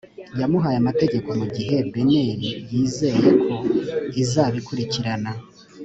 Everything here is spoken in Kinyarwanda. yamuhaye amategeko mu gihe bnr yizeye ko izabikurikirana